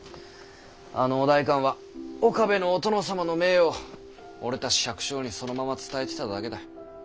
あのお代官は岡部のお殿様の命を俺たち百姓にそのまま伝えてただけだ。